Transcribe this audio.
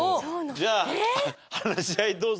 じゃあ話し合いどうぞ。